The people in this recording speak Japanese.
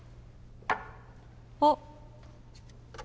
あっ。